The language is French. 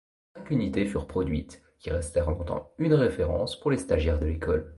Cinq unités furent produites, qui restèrent longtemps une référence pour les stagiaires de l'école.